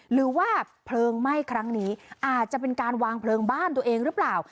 หรือว่าเพลิงไหม้ครั้งนี้อาจจะเป็นการวางเพลิงบ้านตัวเองหรือเปล่า